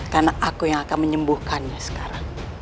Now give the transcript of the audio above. karena aku yang akan menyembuhkannya sekarang